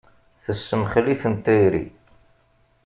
Tessemxel-iten tayri.